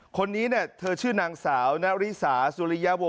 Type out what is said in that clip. คนนี้เธอชื่อนางสาวนาริสาสุริยวง